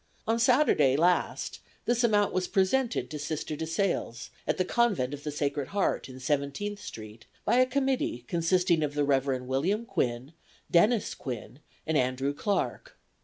On Saturday last this amount was presented to Sister DeSales, at the Convent of the Sacred Heart, in Seventeenth street, by a committee consisting of the Rev. William Quinn, Dennis Quinn and Andrew Clarke.